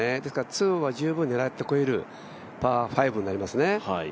２オンは十分狙ってこれるパー５になりますね。